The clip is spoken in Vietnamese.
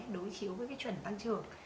đối chiếu với cái chuẩn tăng trưởng